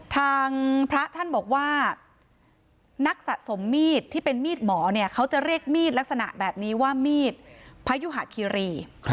ทางพระท่านบอกว่านักสะสมมีดที่เป็นมีดหมอเนี่ยเขาจะเรียกมีดลักษณะแบบนี้ว่ามีดพยุหะคิรี